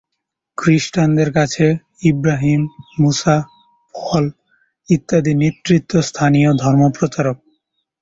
খ্রিষ্টানদের কাছে ইব্রাহিম, মুসা, পল ইত্যাদি নেতৃস্থানীয় ধর্মপ্রচারক।